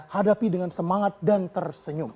hadapi dengan semangat dan tersenyum